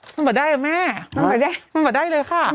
น้ำเบาะได้หรอแม่น้ำเบาะได้เลยค่ะ